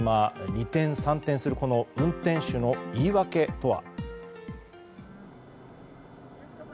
二転三転する運転手の言い訳とは？